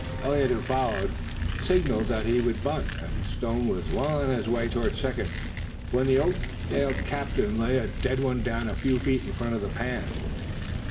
Eliot, who followed, signaled that he would bunt, and Stone was well on his way toward second when the Oakdale captain lay a dead one down a few feet in front of the pan.